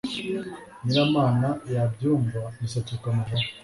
nyiramama yabyumva umusatsi ukamuvaho